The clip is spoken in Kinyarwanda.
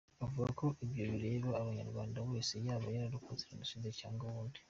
Akavuga ko ibyo bireba Umunyarwanda wese yaba yararokotse Jenoside cyangwa uwundi.